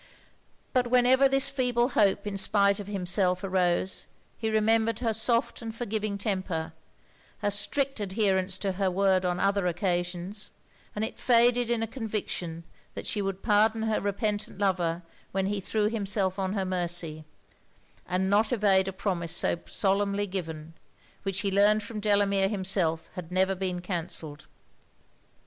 But whenever this feeble hope in spite of himself arose, he remembered her soft and forgiving temper, her strict adherence to her word on other occasions, and it faded in a conviction that she would pardon her repentant lover when he threw himself on her mercy; and not evade a promise so solemnly given, which he learned from Delamere himself had never been cancelled.